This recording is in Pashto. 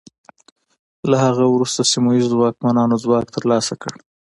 له هغه وروسته سیمه ییزو واکمنانو ځواک ترلاسه کړ.